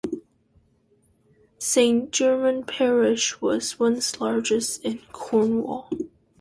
Saint Germans parish was once the largest in Cornwall.